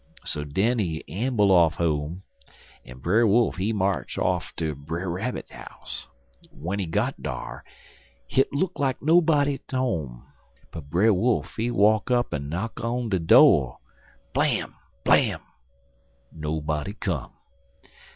So den he amble off home, en Brer Wolf, he march off ter Brer Rabbit house. W'en he got dar, hit look like nobody at home, but Brer Wolf he walk up en knock on de do' blam! blam! Nobody come.